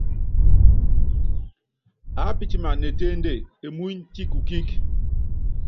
Apítiman ne ténde emúny ti kukíík.